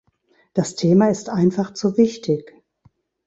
Das Thema ist einfach zu wichtig.